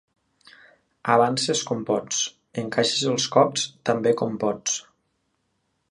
Avances com pots, encaixes els cops tan bé com pots.